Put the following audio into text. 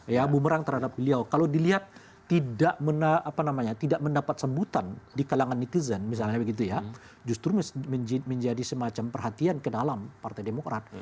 ya bumerang terhadap beliau kalau dilihat tidak mendapat sebutan di kalangan netizen misalnya begitu ya justru menjadi semacam perhatian ke dalam partai demokrat